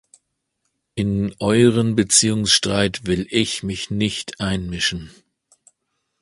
In euren Beziehungsstreit will ich mich nicht einmischen.